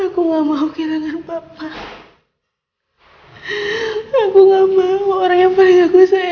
tolong sembuhkan penyakit papa